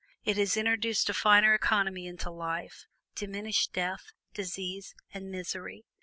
It has introduced a finer economy into life, diminished death, disease, and misery.